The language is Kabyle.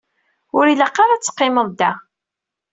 Ur ilaq ara ad teqqimeḍ da.